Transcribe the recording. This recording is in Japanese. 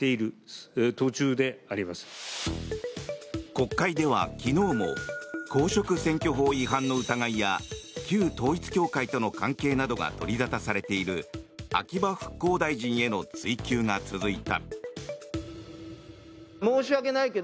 国会では昨日も公職選挙法違反の疑いや旧統一教会との関係などが取り沙汰されている秋葉復興大臣への追及が続いた。